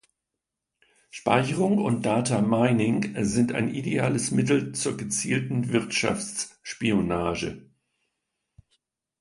Speicherung und Data-Mining sind ein ideales Mittel zur gezielten Wirtschaftsspionage.